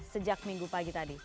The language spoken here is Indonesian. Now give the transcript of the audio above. sejak minggu pagi tadi